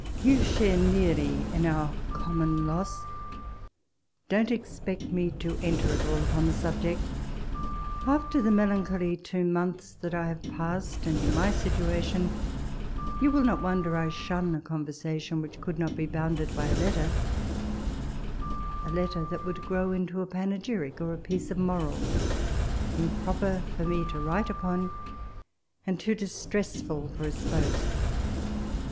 You share nearly in our common loss! Don't expect me to enter at all upon the subject. After the melancholy two months that I have passed, and in my situation, you will not wonder I shun a conversa tion which could not be bounded by a letter — a letter that would grow into a panegyric, or a piece of moral ; iiu))ropor for me to write upon, and too distressful for us both